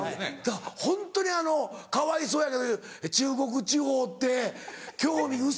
ホントにかわいそうやけど中国地方って興味薄い。